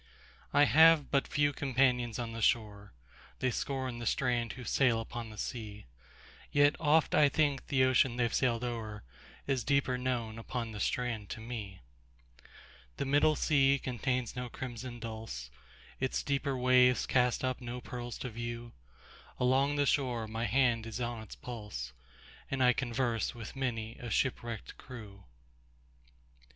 I have but few companions on the shore:They scorn the strand who sail upon the sea; Yet oft I think the ocean they've sailed o'erIs deeper known upon the strand to me. The middle sea contains no crimson dulse, Its deeper waves cast up no pearls to view; Along the shore my hand is on its pulse, And I converse with many a shipwrecked crew.